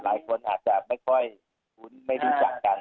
หลายคนอาจจะไม่ค่อยคุ้นไม่รู้จักกัน